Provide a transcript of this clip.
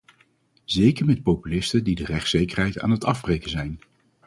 Zeker met populisten die de rechtszekerheid aan het afbreken zijn.